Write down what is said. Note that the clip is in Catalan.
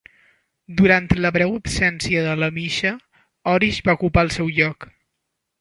Durant la breu absència de LeMisha, Orish va ocupar el seu lloc.